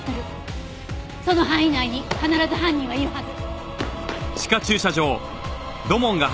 その範囲内に必ず犯人はいるはず。